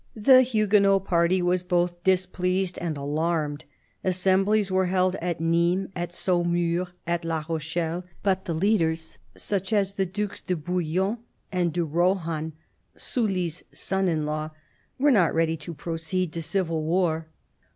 The Huguenot party was both displeased and alarmed. Assemblies were held at Nimes, at Saumur, at La Rochelle ; but the leaders, such as the Dues de Bouillon and de Rohan — Sully's son in law— were not ready to proceed to civil war.